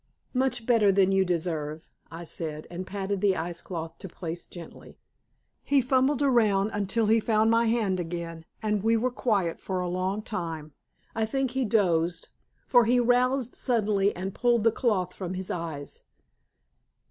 "Much better than you deserve," I said, and patted the ice cloth to place gently. He fumbled around until he found my hand again, and we were quiet for a long time. I think he dozed, for he roused suddenly and pulled the cloth from his eyes.